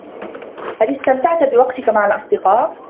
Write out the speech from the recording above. هل اِستمتعت بوقتك مع الأصدقاء ؟